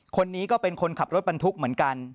คนนี้ก็เป็นคนขับรถบรรทุกเหมือนกัน